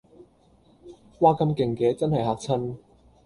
嘩咁勁嘅真係嚇親